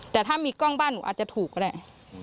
แต่ถ้ามีกล้องบ้านหนูอาจจะถูกก็ได้